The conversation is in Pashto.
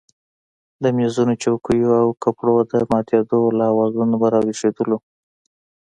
د مېزونو چوکیو او کپړیو د ماتېدو له آوازه به راویښېدلو.